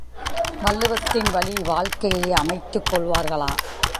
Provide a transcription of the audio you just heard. வள்ளுவத்தின் வழி வாழ்க்கையை அமைத்துக் கொள்வார்களா?